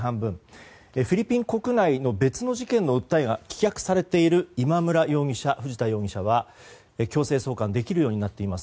フィリピン国内の別の事件の訴えが棄却されている今村容疑者、藤田容疑者は強制送還できるようになっています。